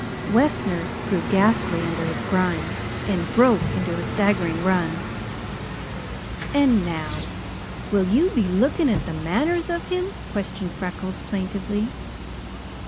Wessner grew ghastly under his grime and broke into a staggering run. "And now will you be looking at the manners of him?" questioned Freckles plaintively.